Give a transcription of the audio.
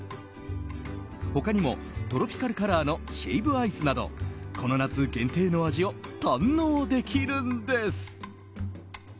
他にも、トロピカルカラーのシェイブアイスなどこの夏限定の味を堪能できるんです。